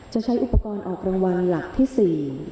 ใช้อุปกรณ์ออกรางวัลหลักที่๔